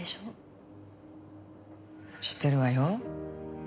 知ってるわよ。